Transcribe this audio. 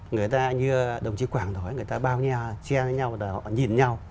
người ta như đồng chí quảng nói người ta bao che với nhau là họ nhìn nhau